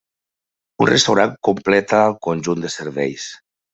Un restaurant completa el conjunt de serveis.